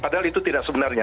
padahal itu tidak sebenarnya